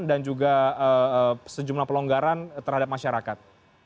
dan juga sejumlah pelonggaran terhadap masyarakat